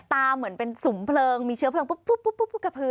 เหมือนเป็นสุมเพลิงมีเชื้อเพลิงปุ๊บกระพือ